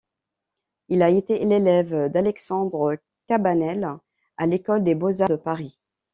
Il a été l'élève d'Alexandre Cabanel à l'École des beaux-arts de Paris.